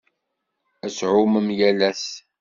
Ad ttɛumun yal ass.